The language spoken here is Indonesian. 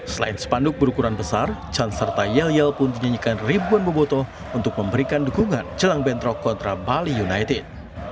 selain sepanduk berukuran besar canserta yelyal pun menyanyikan ribuan boboto untuk memberikan dukungan celang bentrok kontra bali united